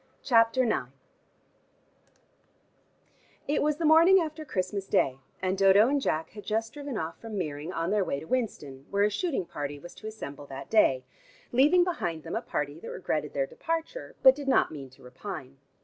CHAPTER IX It was the morning after Christmas Day, and Dodo and Jack had just driven off from Meering on their way to Winston, where a shooting party was to assemble that day, leaving behind them a party that regretted their departure, but did not mean to repine.